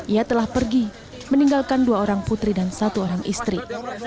ia telah pergi meninggalkan dua orang putri dan satu orang istri